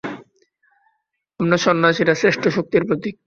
আমরা সন্ন্যাসীরা শ্রেষ্ঠ শক্তির প্রতীক।